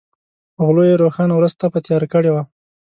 په غلو یې روښانه ورځ تپه تیاره کړې وه.